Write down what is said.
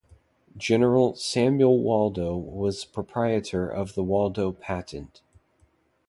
General Samuel Waldo was proprietor of the Waldo Patent.